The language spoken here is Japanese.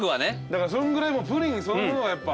だからそんぐらいプリンそのものがやっぱ。